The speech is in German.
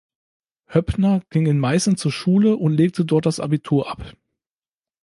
Höppner ging in Meißen zur Schule und legte dort das Abitur ab.